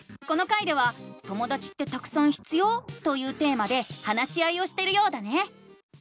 この回では「ともだちってたくさん必要？」というテーマで話し合いをしてるようだね！